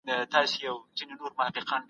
که تعلیم دوامدار وي، مهارت نه کمزورې کېږي.